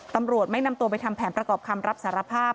ตำรวจไม่นำตัวไปทำแผนประกอบคำรับสารภาพ